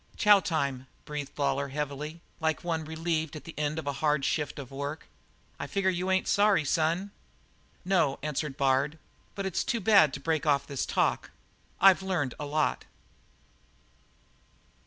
"Chow time," breathed Lawlor heavily, like one relieved at the end of a hard shift of work. "I figure you ain't sorry, son?" "No," answered Bard, "but it's too bad to break off this talk. I've learned a lot."